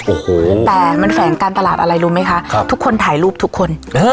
โอ้โหแต่มันแฝงการตลาดอะไรรู้ไหมคะทุกคนถ่ายรูปทุกคน